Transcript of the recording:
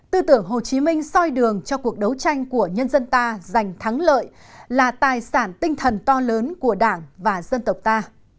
tư tưởng hồ chí minh soi đường cho cuộc đấu tranh của nhân dân ta giành thắng lợi là tài sản tinh thần to lớn của đảng và dân tộc ta